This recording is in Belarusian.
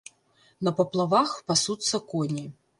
На паплавах пасуцца коні.